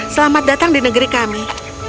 selamat datang di negeri kami